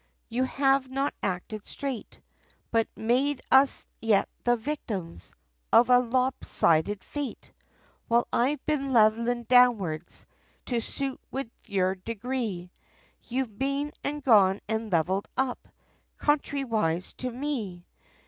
You have not acted straight, But made us yet the victims, Of a lobsided fate; While I've been levellin' downwards, To suit with your degree, You've been, and gone, and levelled up, Contrarywise to me.